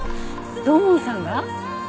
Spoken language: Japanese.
土門さんが？